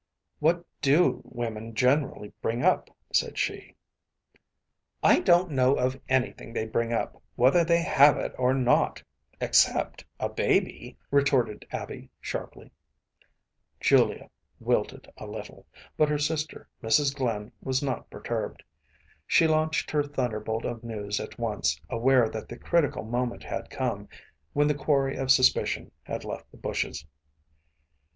“What do women generally bring up?‚ÄĚ said she. “I don’t know of anything they bring up, whether they have it or not, except a baby,‚ÄĚ retorted Abby, sharply. Julia wilted a little; but her sister, Mrs. Glynn, was not perturbed. She launched her thunderbolt of news at once, aware that the critical moment had come, when the quarry of suspicion had left the bushes.